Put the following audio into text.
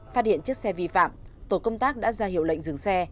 phát hiện chiếc xe vi phạm tổ công tác đã ra hiệu lệnh dừng xe